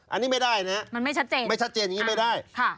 อันนี้ไม่ได้นะฮะไม่ชัดเจนอย่างนี้ไม่ได้ค่ะมันไม่ชัดเจน